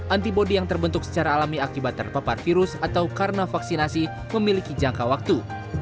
antibody yang terbentuk secara alami akibat terpapar virus atau karena vaksinasi memiliki jangka waktu